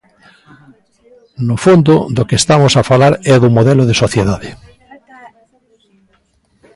No fondo do que estamos a falar é do modelo de sociedade.